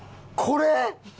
これ！？